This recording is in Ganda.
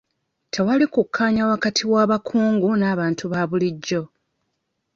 Tewali kukkaanya wakati w'abakungu n'abantu ba bulijjo.